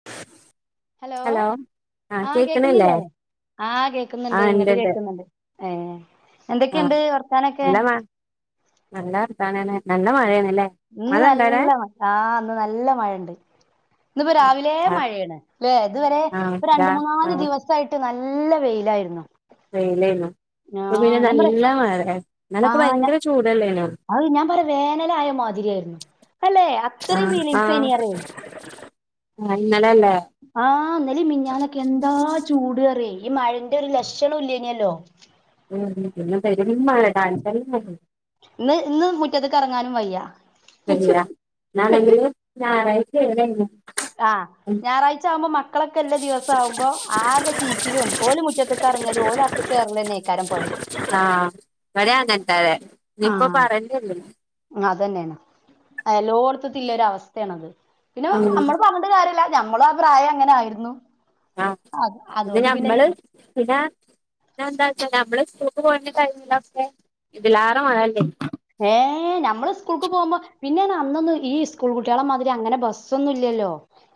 [inaudible] Hello ആഹ് ആ കേക്കണില്ലേ കേക്കുന്നില്ലേ ആ കേക്കുന്നുണ്ട് ആഹ് ഇണ്ട് ഇങ്ങിട്ട് ഇണ്ട് കേക്കുന്നുണ്ട് ഏ ആഹ് എന്തൊക്കെയുണ്ട് വർത്താനൊക്കെ നല്ല മ നല്ല വർത്താനാണ് നല്ല മഴയാണല്ലേ ഇന്ന് മഴ ഇണ്ടോ അവിടെ നല്ല മഴ ആ ഇന്ന് നല്ല മഴണ്ട് ഇന്നിപ്പോ രാവിലെ ആഹ് മഴയാണ് അല്ലേ ഇതുവരെ ആഹ് ഇ ഇതാ രണ്ട് മൂന്ന് നാല് ആഹ് ദിവസായിട്ട് നല്ല നല്ല വെയിലായിരുന്നു വെയിലായിരുന്നു ഇപ്പൊ പിന്നെ നല്ല മഴ ആ അത് ഞാൻ പറയാ വേനല് ആയ മാതിരി ആയിരുന്നു അല്ലെ അത്രയും ആഹ് ഫീലിങ്ങ്സായിനി ആഹ് പ റേ ആഹ് ഇന്നലല്ലേ ആ ഇന്നലേം മിനിഞ്ഞാനൊക്കെ എന്താ ചൂട് പറിയേ ഈ മഴന്റെ ഒരു ലക്ഷനോ ഇല്ലായിനല്ലോ ഉം പിന്നെ പെരും മഴ [unintelligible] ഇന്ന് ഇന്ന് മുറ്റത്ത്ക്ക്റങ്ങാനും വയ്യ ശരിയ ഇന്നാണെങ്കില് ഞായറാഴ്ചണേ ലും ആഹ് ഞായറാഴ്ച ആകുമ്പോ മക്കളൊക്കെ എല്ലാ ദിവസം ആകുമ്പോ ആകെ ചീച്ചിലും ഓല മുറ്റത്തക്കാ പറഞ്ഞല് ഓലോ അത്തത്ത്റന്നേക്കാരൻ പണി ആ ഇബാടിം അങ്ങനെ തന്നെ ഇഞ് യിപ്പൊ പറണ്ടല്ല അത് തന്നെയാണ് എല്ലോർത്തത്തില്ല ഒരു അവസ്ഥയാണത് പിന്നെ ഉം നമ്മള് പറഞ്ഞട്ട കാര്യല്ല ഞമ്മള ആ പ്രായം എങ്ങനെ ആയിരുന്നു ആ അത് പിന്നെ അതുകൊണ്ട് നമ്മള് പിന്നെ പി എന്താന്ന് നമ്മള് സ്കൂൾക്ക് പോയ ടൈമിൽ ഒക്ക ഇതിലാറെ മഴ ഉണ്ടായിരുന്നു ഏ ഞമ്മള് സ്കൂൾക്ക് പോകുമ്പോ പിന്നെ അന്നൊന്നന്ന് ഈ സ്കൂൾ കുട്ടികളെ മാതിരി അങ്ങനെ ബസ്സൊന്നും ഇല്ലല്ലോ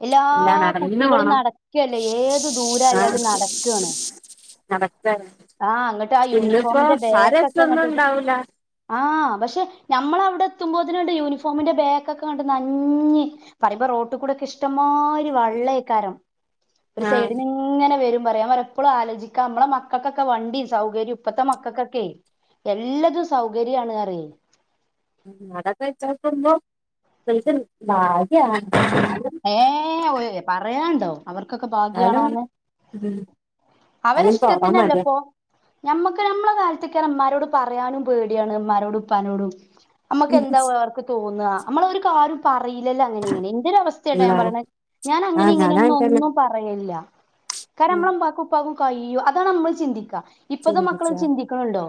എല്ലാ ഇല്ല നടന്ന് കുട്ടികളും പോണം നടക്കല്ലേ ഏത് ആഹ് ദൂരായാലും നടക്കാണ് നടക്ക ആ അങ്ങോട്ട് ആ ഇന്നിപ്പോ യൂണിഫോമിന്റെ ആ ബാഗൊക്കെ രസൊന്നും അങ്ങോട്ട് ഉണ്ടാവൂല ആഹ് പക്ഷെ നമ്മൾ അവിടെ എത്തുമ്പോ അതിന കണ്ട് യൂണിഫോമിന്റെ ബേക്കൊക്കെ കണ്ട് നനഞ്ഞ് റോഡി ക്കൂടെ ഇഷ്ടം മാതിരി വെള്ളമല്ലേ ഒരു ആഹ് സൈഡിൽ ഇങ്ങനെ വരും പറയാൻ വരെ എപ്പോഴും ആലോചിക്കാ നമ്മെ മക്കൾക്കൊക്കെ വണ്ടി സൗകര്യം ഇപ്പഴത്തെ മക്കൾക്കൊക്കെ എല്ലാതിനും സൗകര്യമാണ് പറ അതൊക്കെ വെച്ചക്കുമ്പോ ഇവൽക്ക് ഭാഗ്യണ് ഏഹ് പറയാണ്ടോ അവർക്കൊക്കെ ഭാഗ്യാണോ എന്നാലും എന്ന് ഉം എന്നാലും പോവാൻ മടിയാ അവരിഷ്ടത്തിനല്ലപ്പോ ഞമ്മക്ക് നമ്മളെ കാലത്തൊക്കെമ്മരോട് പറയാനും പേടിയാണ് ഉമ്മാനോടും ഉപ്പാനോടും നമ്മുക്ക് എന്താ അവർക്ക് തോന്നുക നമ്മള ഒരു കാര് പറയില്ലോ അങ്ങനെയിങ്ങനെ എന്തി ഇല്ല ഞാൻ ആഹ് അങ്ങനെയിങ്ങനെ ഞാനും അങ്ങനെ തന്നെ ഒന്നും പറയില്ല കാരണം ഉം നമ്മളപ്പ കയ്യോ അതാ നമ്മൾ ചിന്തിക്ക ഇപ്പത്തെ ചിന്തിച്ച മക്കളൊ ചിന്തിക്കണണ്ടോ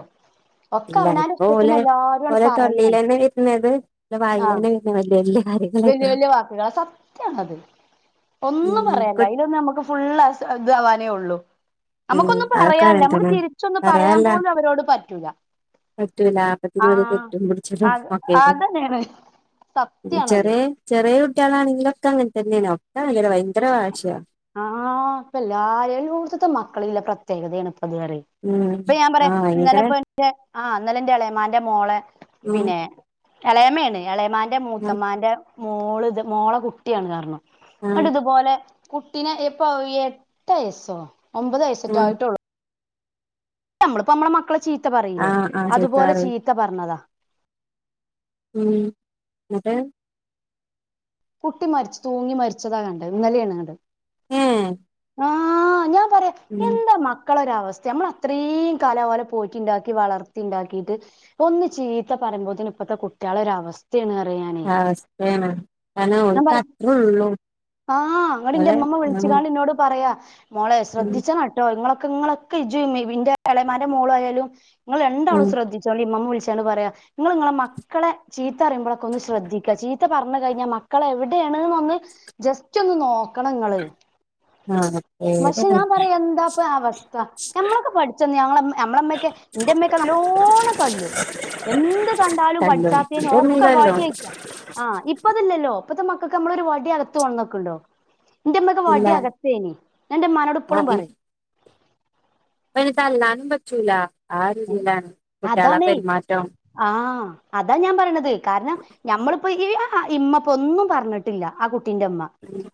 ഒക്കെ ഇല്ല അവനരു ഇപ്പൊ ഇഷ്ടത്തിന് ഓല് എല്ലാരും ഓലെ പറയ തൊള്ളിലെന്നെ വരുന്നത് ഓലെ ആ വായിലെന്നെ വരുന്ന വല്യ വല്യ വല്യ കാര്യങ്ങളേക്കാരം വല്യ വാക്കുകളാ സത്യണത് ഒന്നും ഉം പറയല്ല ഇലൊന്ന് നമുക്ക് ഫുൾ ഇതവാനേ ഉള്ളൂ ഉം നമുക്കൊന്നും അതൊക്കെ പറയല്ല അങ്ങനെ നമുക്ക് തന്നെ തിരിച്ചൊന്ന് പറയാൻ പോലും അവരോട് പറ്റൂല്ല ഏറ്റവും ലാഭത്തിന് വരെ തെറ്റും പിടിച്ചട്ടോ അത് ഒക്കെക്ക അതന്നെയാണ് സത്യാണത് ചെറിയ ചെറിയ കുട്ടിക ആളാണെങ്കിലൊ ഒക്കെ അങ്ങനെ തന്നെ ഒക്കെ ഭയങ്കര വാശിയാ ആഹ് ഇപ്പ എല്ലാരെയും കൂടുത്തട്ട [unintelligible] മക്കള ഇല്ല പ്രത്യേകതയണ ഇപ്പത്വരെ ഉം ഇപ്പൊഴെ ഞാൻ പറയാ ആഹ് ഭയങ്കര ഇന്നലെപ്പോ എന്റെ ഇളയമ്മാന്റെ മോളേ ആ ഉം പിന്നെ ഇളയമ്മയാണ് ഇളയമാന്റെ ഉം മൂത്തമാന്റെ മോള് ഇത് മോളെ കുട്ടിയാണ് കാരണം ഉം ഇതുപോലെ കുട്ടിനെ ഇപ്പോ എട്ട് വയസോ ഒമ്പത് വയസ്സറ്റ ഉം ആയിട്ടുള്ളൂ നമ്മളിപ്പോ നമ്മടെ മക്കളെ ചീത്ത പറയില്ലേ ആഹ് ആഹ് ചീത്ത അതുപോലെ പറയും ചീത്ത പറഞ്ഞതാ ഉം എന്നിട്ട് കുട്ടി മരിച്ച്തൂങ്ങി മരിച്ചതാ കണ്ട് ഇന്നലെയാ കണ്ടത് ഉം ആഹ് ഞാൻ പറയാ എന്താ മക്കളൊര അവസ്ഥ നമ്മള അത്രയും കലകല പോയിട്ടുണ്ടാക്കി വളർത്തി ഉണ്ടാക്കിട്ട് ഒന്ന് ചീത്ത പറയുമ്പോന് ഇപ്പോത്തെ കുട്ടികളെ ഒര അവസ്ഥ അവ അവസ്ഥയാണ് കന്നെ ഞാൻ ക്ക് പറ അത്രേ ഉള്ളൂ [unintelligible] ആഹ് അങ്ങട്ട എന്റെ ഓലെ അമ്മമ്മ വിളിച്ച ഉം ഞാൻ നിന്നോട്. പറയാ മോളെ ഉം ശ്രദ്ധിച്ച മട്ടോ നിങ്ങളൊ ങ്ങളൊക്കെ ഇന്റെ ഇടമാരുടെ മോളായാലും നിങ്ങൾ ഉം രണ്ടാളും ശ്രദ്ധിച്ചോ വിള പറയാ നിങ്ങ നിങ്ങളെ മക്കളെ ചീത്ത പറയുമ്പോഴൊക്കെ ഒന്ന് ശ്രദ്ധിക്കുക ചീത്ത പറ പറ കഴിഞ്ഞാൽൽ മക്കൾ എവിടെയാണെന്ന് ഒന്ന് ജസ്റ്റ് ഒന്ന് നോക്കണങ്ങള് ആഹ് പക്ഷെ പേടിയാണ് ഞാൻ പറയാ എന്താപ്പ അവസ്ഥ ഞമ്മളൊക്കെ പഠിച്ചന്ന ഞമ്മ മ്മളമ്മയക്കെ എന്റെമ്മേ ഒക്കെ നല്ലോണം തല്ലും എന്ത് കണ്ടാലും തല്ലും പഠിച്ചാത്തേന് ഇതൊന്നും ഒക്കെ തല്ലും വടി എടുക്കാ ആഹ ഇപ്പതല്ലല്ലോ ഇപ്പഴത്തെ മക്കൾക്ക് നമ്മളൊരു വടി അകത്ത് വന്നോക്കുണ്ടോ എന്റെ ഇമ്മൊക്കെ ഇല്ല വടി അഗതാനെ ഞാന്റെ ഉമ്മമാനോട് ഇപ്പോഴും പറയും ഇപ്പണേ തല്ലാനും പറ്റൂല ആ രീതിയിലാണ് കുട്ടികളെ പെരുമാറ്റം ആഹ അതാ ഞാൻ പറയണത് കാരണം ഞമ്മള്- അപ്പൊ ഇമ്മപ്പ ഒന്നും പറഞ്ഞിട്ടില്ല ആ കുട്ടിന്റെ ഇമ്മ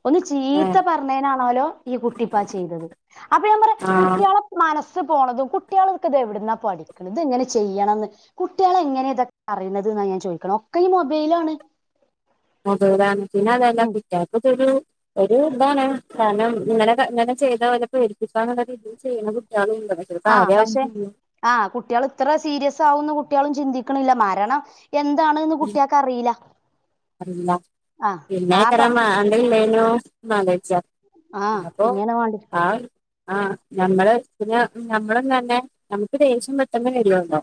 ഒന്ന് ചീത്ത ഏഹ് പറഞ്ഞേനാണല്ലോ ഈ കുട്ടിപ്പാ ചെയ്തത് അപ്പൊ ഞാൻ പറയാ ആഹ് കുട്ടികളെ മനസ് പോണതും കുട്ടികൾക്കതെവിടുന്ന പഠിക്കണ ഇത് എങ്ങനെ ചെയ്യണംന്ന് കുട്ടികള എങ്ങനെ ഇതൊക്കെ അറിയുന്നത് എന്നാ ഞാൻ ചോദിക്കണം ഒക്കെ ഈ മൊബൈലാണ് [unintelligible] മൊബൈലാണ് അതെല്ല ഉം കുട്ടിയാക്കിത്തൊരു ഒരു ഇതാണ് കാരണം ഇങ്ങനെ ഇങ്ങനെ ചെയ്തപേടിപ്പിക്കാ എന്നുള്ള രീതിയിൽ ചെയ്യണ കുട്ടി ആഹ പക്ഷെ ആഹ കുട്ടികൾ ഇത്ര സീരിയസ് ആകുന്നു കുട്ടികളും ചിന്തിക്കണില്ല മാരണം എന്താണ്കുട്ടികക്ക് അറിയില്ല അറില്ല ആഹ് ആ ഇന്നെക്കര പ്രായ അ ഇല്ലേന മാലേജ ആഹ് പിന്നപ്പോ പിന്നെയാണ് വേണ്ടിയെ ആ ആഹ നമ്മള് പിന്നെ നമ്മള് തന്നെ നമുക്ക് ദേഷ്യം പെട്ടെന്ന്ലവരുല്ലോ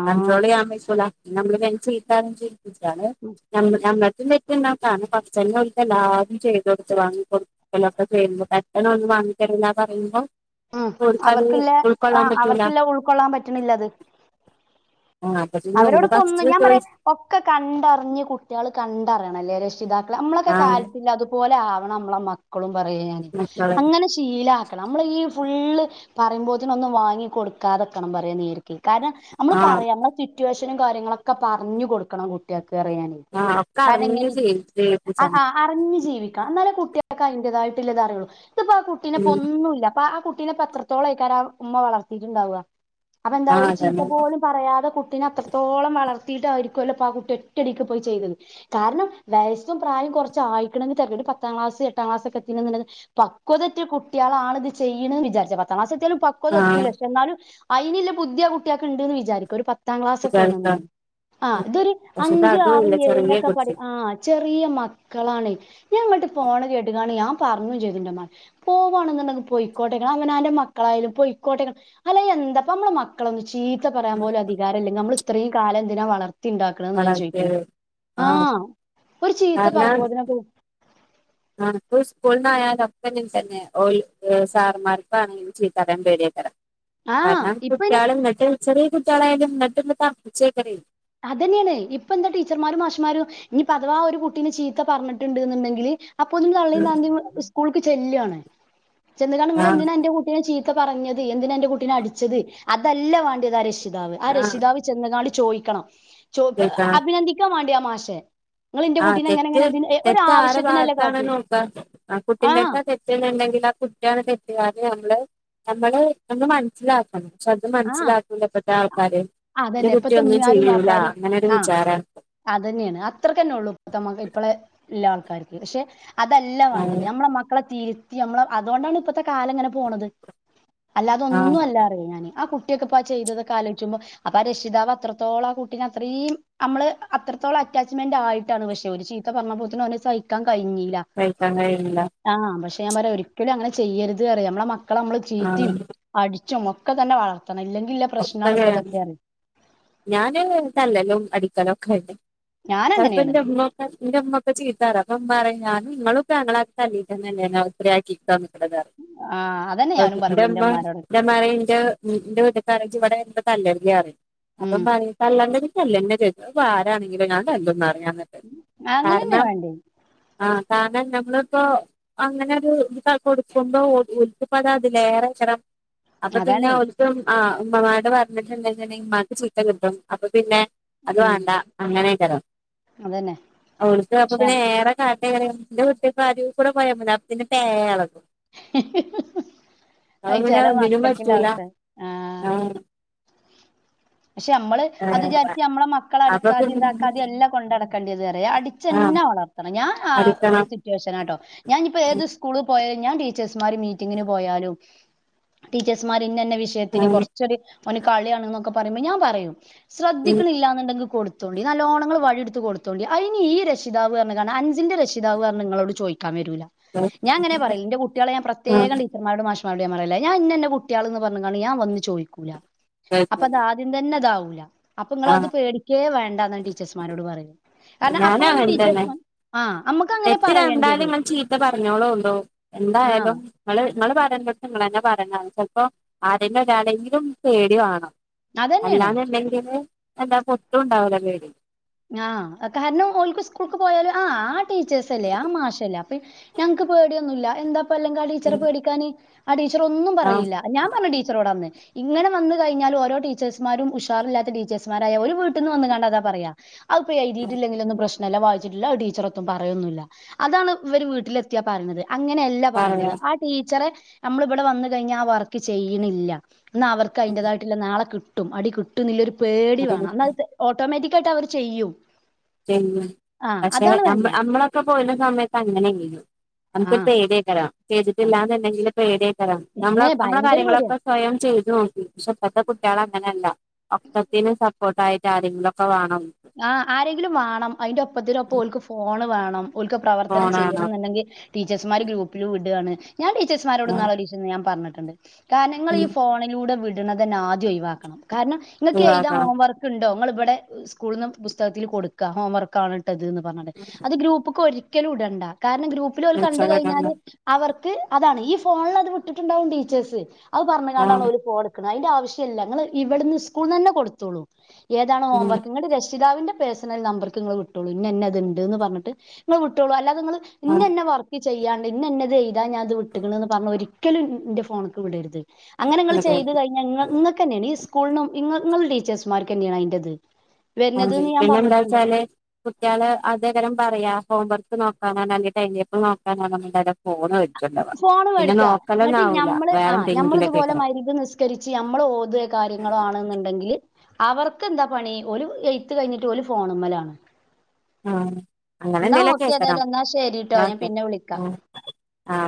ആഹ് കൺട്രോൾ ചെയ്യാൻ പറ്റൂല്ല നമ്മള് പേടിപ്പിച്ചാല് നമ്മടുത്തും - തെറ്റുണ്ട് കാരണം എല്ലാരും ചെയ്ത കൊടുത്ത് വാങ്ങിടുക്കലൊക്കെ ചെയ്യണ്ട് പെട്ടെന്ന് ഒന്ന് വാങ്ങി പറല്ല പറയുമ്പോൾ ഉം അവർക്കില്ല ആ പറ്റൂല അവർക്കില്ല ഉൾക്കൊള്ളാൻ പറ്റണില്ലത് ആഹ് അപ്പൊ പിന്നെ ഓല് അവരോടൊക്കെ ഒന്ന് ഫസ്റ്റ് ഞാൻ പറാ ചോയ്സ് ഒക്കെ കണ്ടർഞ്ഞ് കുട്ട്യാള് കണ്ടറിയണംല്ലേ രഷിതാക്കളെ. നമ്മളൊക്കെ ആഹ് കാൽത്തില്ല അതുപോലെ ആവണം അമ്മളെ മക്കളും പറയേ ഞാന്. മക്കളെ അങ്ങനെ ശീലക്കണം അമ്മള് ഈ ഫുള്ള് പറയുമ്പോത്തന് ഒന്നും വാങ്ങി കൊടുക്കാതെക്കണം പറയനേ- കാരണം നമ്മള് ആഹ് പറയാ നമ്മുടെ സിറ്റുവേഷനും കാര്യങ്ങളൊക്കെ പറഞ്ഞു കൊടുക്കണം കുട്ടികൾക്ക് പറയനെ ആഹ് ഒക്കെ കാരണം അറിഞ്ഞിനെ ഇങ്ങനെ ചെയ് ആഹ് ആ ചെയ്യിപ്പിച്ചണം അറിഞ്ഞ് ജീവിക്കാം എന്നാൽ കു - ട്ടികൾക്ക് അതിന്റതട്ടുള്ളത് അറുള്ളൂ ഇത്പ്പോ ആ കുട്ടിനെ ഉം പൊന്നുമില്ല അപ്പ ആ - കുട്ടിനെ അത്രത്തോളം ആരാ ആ ഉമ്മ വളർത്തിയിട്ടുണ്ടാവുക അപ്പ എന്താ ആഹ് ഒരു ചീത്ത അതന്നെ പോലും പറയാതെ കുട്ടി നെ അത്രത്തോളം വളർത്തിയിട്ട് ആരിക്കുവല്ലോ പ ആ കുട്ടി ഒറ്റയടിക്ക് പോയി ചെയ്തത് കാരണം വയസ്സും പ്രായവും കുറച്ചായിണ് പത്താം ക്ലാസ് എട്ടാം ക്ലാസ് ഒക്കെ എത്തിനെ പക്വതഎത്തിയ കുട്ടികളാണ് ഇത് ചെയ്യു- ന്ന് വിചാരി പത്താം ക്ലാസ്സ്‌ എത്തിയാലും പക്വത ആഹ് എത്തുല്ലപക്ഷെ എന്നാലും അതിനിള്ള ബുദ്ധിയ കുട്ടിയൊകിണ്ടന്ന് വിചാരിക്ക് ഒരു- പത്താം ക്ലാസ്സ്ഒക്കെയാണ് വിചാരിക്കാം ന്ന് ആ ഇതൊരു പക്ഷെ ഇത് അഞ്ചു ആറ് അതുല്ല ചെറിയ എഴിലോക്കെ പടി കുട്ടി ആ ചെറിയ മക്കളാണ് ഞാൻ ഫോൺ കേട്ടുകയാണ് ഞ- പറഞ്ഞുചെയ്തിന്റെ മാ പോവാണെന്നുണ്ടെങ്കിൽ പൊയിക്കോട്ടെ അവനാന്റെ മക്കളായാലും പൊയിക്കോട്ട അല്ല എന്താപ്പ നമ്മള് മക്കളൊന്നും ചീത്ത പറയാൻ പോലും അധികാരമില്ലെങ്കിൽ നമ്മള ഇത്രയും കാലം എന്തിനാ വളർത്തി ഉണ്ടാക്കണ ഞാൻ ചോദിക്കണ വളർത്തിയത് ആഹ് ഒരു ചീത്ത പറയുമ്പോ അതിനൊക്കെ നമുക്ക് സ്കൂളിനായാല് ഒക്കെ ഇങ്ങനെ തന്നെ ഓൽ സാർമാർക്കാ ആണെങ്കിലും ചീത്ത പറയാൻ പേടിയ ആഹ് കാരണം ഇപ്പ അയിന് കുട്ടികൾ ഇങ്ങട്ട് വിളിച്ചാൽ ചെറിയ കുട്ടികൾ ഇങ്ങട്ട് പാറ - അത് തന്നെയാണ് ഇപ്പ എന്താ ടീച്ചർമാരും മാഷുമാരും ഇനിപ്പാ അഥവാ ഒരു കുട്ടിനെ ചീത്ത പറഞ്ഞിട്ടുണ്ട് എന്നുണ്ടെങ്കില് അപ്പൊ ഒ തള്ളിയും താന്തയും സ്കൂൾക്ക് ചെല്ലാണ് ചെന്നാകാണ് നിങ്ങൾ ആഹ് എന്തിനാ എന്റെ കുട്ടിനെ ചി- ചിത്ത പറഞ്ഞത് എന്തിനാ എന്റെ കുട്ടിനെ അടിച്ചത് അതല്ല വേണ്ടിയത് ആ രക്ഷിതാവ് ആ ആഹ് രക്ഷിതാവ് ചെന്ന് കാണ- ചോദിക്കണം ചോ അഭിനന്ദിക്കാൻ വേണ്ടിയ ആ മാഷെ നിങ്ങൾ ഇന്റെ ആഹ കുട്ടീനെ ഇങ്ങനെ തെറ്റ് ഇങ്ങനെ ഇതിന് തെറ്റ് ആരെ ഒരാവശ്യത്തിനല്ലേ ഭാഗത്താണെന്ന് കാട്ടിയെ നോക്കാ ആ ആഹ് കുട്ടിന്റെടുത്താ തെറ്റന്നുണ്ടെങ്കില് കുട്ടിയാണ് തെറ്റുകാരി [unintelligible] നമ്മള് മനസ്സിലാക്കണം പക്ഷെ അത് മനസിലാക്കൂല ഇപ്പത്തെ ആൾക്കാര് എന്റെ അതന്നെയെ കുട്ടി ഇപ്പതെ ഒന്നും ഉമ്മിയരും ചെയ്യൂല വാപ്പാരും അങ്ങനൊരു ആ വിചാരാണ് അത് തന്നെയാണ് അത്രക്കന്നെ ഉള്ളു മുത്തമക ഇപ്പളെ ഇല്ല ആൾക്കാർക്ക് പഷേ അതല്ല വേണ്ടത് ആഹ് ഞമ്മളെ മക്കളെ തിരുത്തി അമ്മള അതുകൊണ്ടാണ് ഇപ്പത്തെ കാലം ഇങ്ങനെ പോണത് ആഹ് അല്ലാതെന്നും അല്ല പറയും ഞാന് ആ കുട്ടിയൊക്കെ ഇപ്പാ ചെയ്തത് ആലോച്ചുമ്പോ അപ്പ രക്ഷിതാവ് അത്രത്തോളം ആ കുട്ടീ അത്രയും നമ്മള് അത്ര അത്രത്തോളം അറ്റാച്ച്മെന്റ് ആയിട്ടാണ് പഷേ ഒരു ചീത്ത പറഞ്ഞ പോലത്തന്നെ ഓന് സഹിക്കാൻ കഴിഞ്ഞില്ല കഴിക്കാൻ കഴിയൂല ആഹ്‌ പഷേ എന്നിട്ട് ഞാ പറയാ ഒരിക്കലും അങ്ങനെ ചെയ്യരുത് പറയും, നമ്മളെ മക്കള നമ്മൾ ആഹ് ചീത്തിയും അടിച്ചും ഒക്കെ തന്നെ വള [unintelligible] ഞാന് തല്ലല്ലും അടി ക്കലൊക്കെ ചെലപ്പോ ഞാനങ്ങനെയാണ് ന്റെ [unintelligible] ചീത്തറയും അപ്പോ ഉമ്മ പറയും ഞാ നിങ്ങളുക്കെ ഞങ്ങളെ തല്ലി [unintelligible] ഇത്രേ [unintelligible] [unintelligible] ആഹ് അതന്നെ പ്പോ ഞാനും ന്റെ പറയല് ഇന്റെ ഉമ്മ ഇമ്മാനോട് ന്റെ ഉമ്മ പറയ്ണ്ട് [unintelligible] [unintelligible] ഉം തല്ലന്നെ ചെയ്ത് അതിപ്പോ ആരാണെങ്കിലും ഞാൻ തല്ലുന്ന് [unintelligible] അങ്ങനെന്നെ കാരണം വേണ്ടേ ആഹ് കാരണം നമ്മളിപ്പോ അങ്ങനൊരു ഇത് കൊടുക്കുമ്പോ [unintelligible] അതിലേറെ [unintelligible] അപ്പപിന്നെ അതാണേ ഓൽക്കും ആ ഉമ്മാമ്മട് പറഞ്ഞിട്ടു [unintelligible] ഉമ്മാക്ക് ചീത്ത കിട്ടും അപ്പ പിന്നെ അത് ഉം വേണ്ട അങ്ങനെയെക്കരോ അതന്നെ പക്ഷെ [unintelligible] ഏറെ കാ [unintelligible] എന്റെ കുട്ടികക്ക് അരിക് കൂടെ പോയ മതി അപ്പോതെന് പേ എളകും അപ്പോ അത് പിന്നെ ചെല ഒന്നിനും മക്കൾക്കില്ല പറ്റൂല അവസ്ഥ ആഹ് പഷേ ഞമ്മള് അത് ഏഹ് വിചാരിച്ച് ഞമ്മടെ മക്കളെ അപ്പൊ അടിക്കാതെ പിന്നെ ഇണ്ടാക്കാതെയും അല്ല കൊണ്ടടക്കേണ്ടത്റയാ ആ അടിച്ചന്നെ വള ർത്തണം ഞാ ആഹ്‌ ഒരു അടിക്കണം സിറ്റുവേഷൻ ആട്ടോ ഞാനിപ്പോ ഏത് സ്കൂള് ഞാൻ ടീച്ചേഴ്സ്മാര് മീറ്റിങ്ങിന് പോയാലും ടീച്ചേഴ്സ്മാര് ഇന്നന്ന വിഷയത്തിന് കൊറച്ചോര് ഓന് കളിയാണ്ന്നൊക്കെ പറയുമ്പോ ഞാൻ പറയും ശ്രദ്ധിക്കണില്ല എന്നുണ്ടെങ്കി കൊടു [unintelligible] നല്ലോണങ്ങള് വടി എടുത്ത് കൊടുത്തോളി, അതിനി ഈ രക്ഷിതാവ് റഞ് കാരണം അഞ്ചിന്റെ രക്ഷിതാവ് കാരണം നിങ്ങളോട് ചോദിക്കാൻ വരൂല്ല. ഞാൻ ങ്ങനെ പറയും, എന്റെ കുട്ടികളെ ഞാൻ പ്രത്യേകം ടീച്ചർമാരോട് ഞാൻ പറയല്ല, ഞാൻ ഇന്ന ഇന്ന കുട്ടികളാന്ന് പറഞ്ഞങ്ങാണ് ഞാൻ വന്ന് ചോദിക്കൂല അപ്പൊ അത് ആദ്യം തന്നെ അതാവും. അപ്പൊ ആ നിങ്ങള് ആ അത് പേടിക്കേ വേണ്ടന്ന് ടീച്ചേഴസ്മാരോട് പറയൂ. ഞാനാ വന്തന്നെ, അമ്മക്ക് അങ്ങനെ നെറ്റ് കണ്ടാലെ പറയേണ്ടിയത് നിങ്ങൾ ചീത്ത പറഞ്ഞോളോ ആ എന്തായാലും കുഴപ്പി നിങ്ങൾ പറയണ്ടത്ത് നിങ്ങളന്നെ പറയണം, ചിലപ്പോ ആരേലും ഒരാളെയെങ്കിലും പേടി വേണം അതന്നെയാണ് അല്ലാന്നുണ്ടെങ്കില് എല്ലാ പൊത്തും ഉണ്ടാവല്ലോ പേടി ആ, കാരണം ഓൾക്ക് സ്കൂൾക്ക് പോയാലും, ആ ആ ടീച്ചേഴ്സ് അല്ലേ, ആ മാഷല്ലേ ഞങ്ങക്ക് പേടിയൊന്നുമില്ല, എന്താപ്പല്ലെങ്കി ആ ടീച്ചറെ പേടിക്കാന്, ആ ടച്ചെ റെ ടീച്ചർ ഒന്നും ആ പറയില്ല, ഞാൻ പറഞ്ഞുടീച്ചറോട് അന്ന് ഇങ്ങനെ വന്ന് കഴിഞ്ഞാൽ ഓരോ ടീച്ചേഴ്സ്മാരും ഉഷാറില്ലാത്ത ടീച്ചേഴ്സ്മാരായ, ഒരു വീട്ടിന്ന് വന്ന് കണ്ടാ അതാ പറയുക. അത്പ്പോയി എഴുതിട്ടില്ലെങ്കിൽ ഒന്നും പ്രശ്നം ഇന്നലെ വായിച്ചിട്ടില്ല ഒരു ടീച്ചറൊന്നും പറയൊന്നുമില്ല, അതാണ് ഇവര് വീട്ടിലെത്തിയാ പറയണത്. അങ്ങനെയല്ല പറയേണ്ടത് പറയാം ആ ടീച്ചറെ നമ്മളിവിടെ വന്ന കഴിഞ്ഞ ആ വർക്ക് ചെയ്യണില്ല ന്നാ അവർക്ക് അതിന്റേതായിട്ടുള്ള നാളെ കിട്ടും, അടി കിട്ടും ന്നെരു പേടി അത് വേണം എന്നാലത് ഓട്ടോമാറ്റിക് ആയിട്ട് അവർ ചെയ്യൂ ശരി, പക്ഷെ നമ്മളൊക്കെ പോയിന്ന സമയത്ത് അങ്ങനെ ചെയ്യും ആ നമുക്കിപ്പോ പേടിയെക്കെ വരാം നമ്മക്ക് ചെയ്തിട്ടില്ലാന്നുണ്ടെങ്കിൽ, പേടി ഒക്കെ വരാം നമ്മളെ ഏ നമ്മളെ ഭയങ്കര പേടിയാ. കാര്യങ്ങളൊക്കെ സ്വയം ചെയ്തു നോക്കി പക്ഷെ ഇപ്പോത്തെ കുട്ടികള അങ്ങനെയല്ല ഒക്കത്തത്തിനു സപ്പോർട്ടായിട്ട് ആരെങ്കിലൊക്കെ വേണം. ആ, ആരെങ്കിലും വേണം അതിന്റെ ഒപ്പത്തിന ഒപ്പം ഓൽക്ക് ഫോണ് വേണം. ഓൽക്ക് പ്രവർത്തനം ഫോണാണോ ചെയ്യണം ഉണ്ടെങ്കിൽ ടീച്ചേഴ്സ്മാർ ഗ്രൂപ്പിലും ഇടുവാണ് ഞാൻ ടീച്ചേഴ്സ്മാരോട് ഇന്നാള് ഞാൻ ചെന്നു പറഞ്ഞിട്ടുണ്ട്, കാരണം നിങ്ങൾ ഈ ഉം ഫോണിലൂടെ വിടണത് തന്നെ ആദ്യം ഒഴിവാക്കണം, കാരണം ഇങ്ങൾക്ക് എഴുതാൻ ഒഴിവാക്കണം ഹോംവർക്ക് ഉണ്ടോ, നിങ്ങൾ ഇവിടെ സ്കൂളിൽ നിന്ന് പുസ്തകത്തിൽ കൊടുക്കുക ഹോം വർക്കാണ്‌, ഇട്ടത് എന്ന് പറഞ്ഞട്ട്, അത് ഗ്രൂപ്പ്ക്ക് ഒരിക്കലും ഇടണ്ട. കാരണം ഗ്രൂപ്പിൽ ഓൽ കണ്ട് കഴിഞ്ഞാല് ഇൻസ്റ്റാഗ്രാം അവർക്ക് അതാണ് ഈ ഫോണിൽ അത് വിട്ടിട്ടുണ്ടാവും ടീച്ചേഴ്സ്. അത് പറഞ്ഞത്ണ്ടാണ് ആഹ് ഓര് ഫോൺ എടുക്കുന്നത്, അതിന്റെ ആവശ്യല്ല നിങ്ങങ്ങള് ഇവിടുന്ന് ഇസ്കൂളി തന്നെ കൊടുത്തോളൂ. ഏതാണ് ഉം ഹോംവർക്ക് പിതാവിന്റെ പേഴ്സണൽ നമ്പർക്ക് നിങ്ങള് വിട്ടോുള്ളൂ ഇന്ന ഇന്നെ ഇത്ണ്ട്ന്ന് പറഞ്ഞിട്ട്, നിങ്ങള്‌ വിട്ടോളൂ. അ ഇങ്ങള് ആഹ് ഇന്നന്നെ വർക്ക് ചെയ്യാണ്ട് ഇന്നന്നെ ഇത് ചെയ്താ ഞാനത് വിട്ട ക്കെന്ന് പറഞ്ഞ ഒരിക്ക ഒരിക്കലുംന്റെ ഫോണൊക്കെ വിടരുത് അങ്ങനെ നിങ്ങള്ൾ അതെ ചെയ്ത് അതെ കഴിഞ്ഞാ നിങ്ങൊക്ക തന്നെയണ സ്കൂളിനും ഇങ്ങ ഇങ്ങള് ടച്ചേഴ്സ്മാർക്ക് തന്നെയാണ് അതിന്റ അ പിന്നെ എന്താച്ചാല് കുട്ട്യള് അധേകരം പറയാ ഹോം വർക്ക് നോക്കാനോ അല്ലെ ടൈം ടേബി നോക്കാനോ നമ്മുടെ ഫോൺ വച്ചട്ടുള്ളത് ഫോണ് മേടിക്ക എന്നിട്ട് ഞമ്മള് വേറെ ആ്ഞമ്മള എന്തെങ്കിലൊക്കെ ഇതുപോലെ മരിന്ന് നിസ്കരിച്ച് നമ്മൾ ഓത് കാര്യങ്ങ ണെന്നുണ്ടെങ്കിൽ അവർക്ക് എന്താ പണി ഒരു എയ്ത്ത് കഴിഞ്ഞിട്ട് ഫോണമ്മലാണ് ആഹ അങ്ങനെന്തേല്ക്ക എന്നാ ശരിട്ടോ ഞാൻ പിന്നെ വിളിക്കാ. [unintelligible] ആ